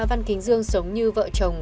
văn kính dương sống như vợ chồng